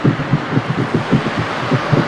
তবে রাস্তাটা কিন্তু পাঁচ ঘন্টার।